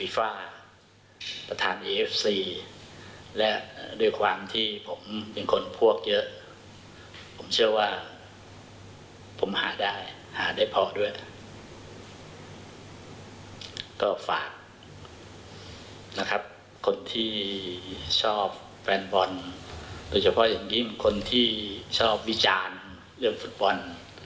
แฟนบอลโดยเฉพาะอย่างนี้มีคนที่ชอบวิจารณ์เรื่องฝุ่นบอล